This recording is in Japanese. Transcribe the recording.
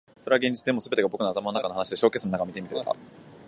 それは現実。でも、全てが僕の頭の中の話でショーケースの中を見ているみたいだ。